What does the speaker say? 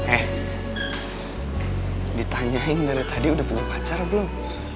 eh ditanyain nenek tadi udah punya pacar belum